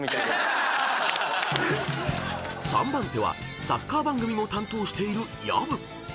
［３番手はサッカー番組も担当している薮］